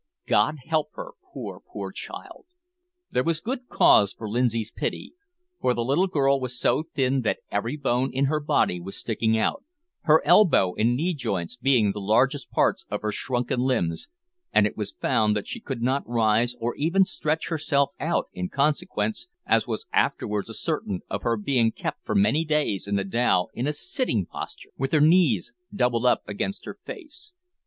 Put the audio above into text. God help her, poor, poor child!" There was good cause for Lindsay's pity, for the little girl was so thin that every bone in her body was sticking out her elbow and knee joints being the largest parts of her shrunken limbs, and it was found that she could not rise or even stretch herself out, in consequence, as was afterwards ascertained, of her having been kept for many days in the dhow in a sitting posture, with her knees doubled up against her face.